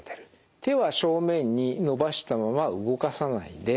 手は正面に伸ばしたまま動かさないで首をですね